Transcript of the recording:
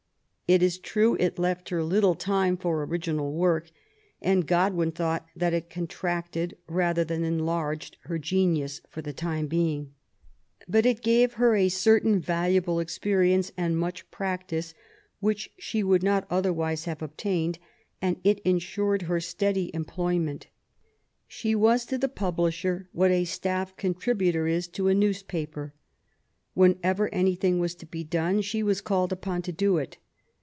It is true it left her little time for original work, and Godwin thought that it contracted rather than enlarged her genius for the time being. But it gave her a certain valuable expe rience and mucli practise which she would not other wise have obtained, and it insured her steady employ ment. She was to the publisher what a staff contributor is to a newspaper. Whenever anything was to be done she was called upon to do it.